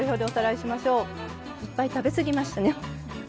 いっぱい食べ過ぎましたね。